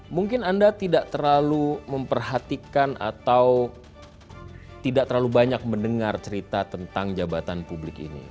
mungkin anda tidak terlalu memperhatikan atau tidak terlalu banyak mendengar cerita tentang jabatan publik ini